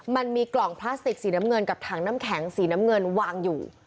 มันมีกล่องพลาสติกสีน้ำเงินกับถังน้ำแข็งสีน้ำเงินวางอยู่